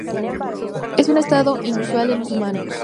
Es un estado inusual en los humanos.